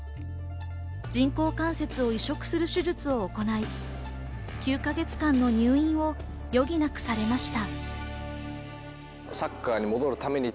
人工関節を移植する手術を行い、９か月間の入院を余儀なくされました。